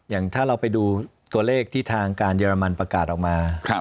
อย่างถ้าเราไปดูตัวเลขที่ทางการเยอรมันประกาศออกมา